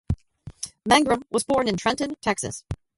Mangrum was born in Trenton, Texas.